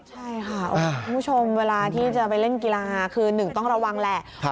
ใช่ค่ะคุณผู้ชมเวลาที่จะไปเล่นกีฬาคือหนึ่งต้องระวังแหละ